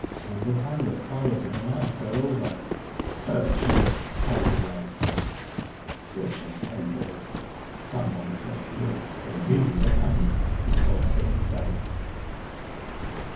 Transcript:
Wyndham Hanworth fired, and the man fell over. "Curse you," howled Eli Spence. '^You shall pay for this. Someone must have split. They knew we were coming/' he thought to him self.